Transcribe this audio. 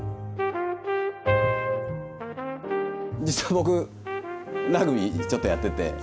実は僕ラグビーちょっとやってて。